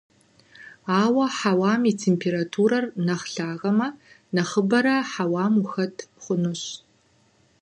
Ауэ хьэуам и температурэр нэхъ лъагэмэ, нэхъыбэрэ хьэуам ухэт хъунущ.